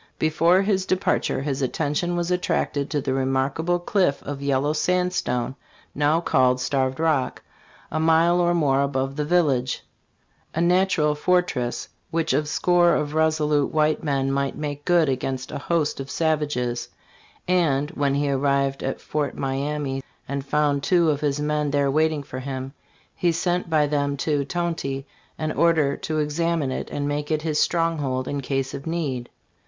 "Before his departure his attention was attracted to the remarkable cliff of yellow sandstone, now called Starved Rock, a mile or more above the village, a natural fortress, which a score of resolute white men might make good against a host of savages ; and [when he arrived at Fort Miamis and found two of his men there waiting for him, he sent by them to] Tonty an order to examine it and make it his stronghold in case of need."